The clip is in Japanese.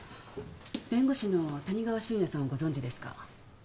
弁護士の谷川俊也さんをご存じですか？